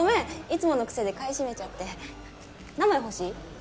いつもの癖で買い占めちゃって何枚欲しい？